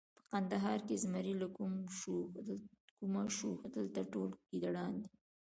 په کندهار کې زمری له کومه شو! دلته ټول ګیدړان دي.